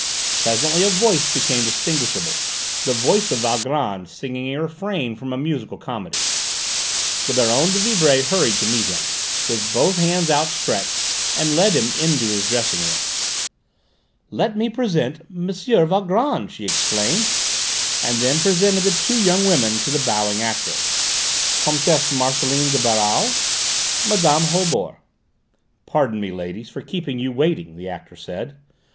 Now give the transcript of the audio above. Presently a voice became distinguishable, the voice of Valgrand singing a refrain from a musical comedy. The Baronne de Vibray hurried to meet him, with both hands outstretched, and led him into his dressing room. "Let me present M. Valgrand!" she exclaimed, and then presented the two young women to the bowing actor: "Comtesse Marcelline de Baral, Mme. Holbord." "Pardon me, ladies, for keeping you waiting," the actor said.